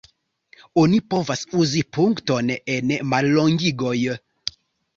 Oni povas uzi punkton en mallongigoj.